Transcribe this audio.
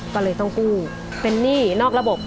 ก็เลยต้องกู้เป็นหนี้นอกระบบ